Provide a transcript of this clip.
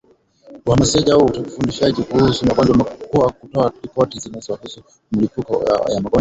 uhamasishaji au ufundishaji kuhusu magonjwa kwa kutoa ripoti zinazohusu milipuko ya magonjwa